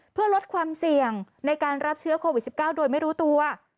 เพื่อลดความเสี่ยงในการรับเชื้อโควิด๑๙โดยไม่รู้ตัว